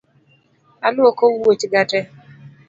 Alwoko wuoch ga tee